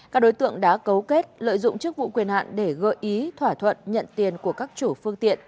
các đối tượng đã cấu kết lợi dụng chức vụ quyền hạn để gợi ý thỏa thuận nhận tiền của các chủ phương tiện